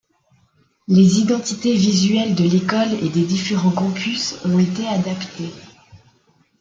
Les identités visuelles de l'école et des différents Campus ont été adaptées.